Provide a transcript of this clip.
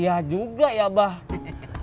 iya juga ya bang